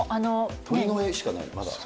鳥の絵しかない。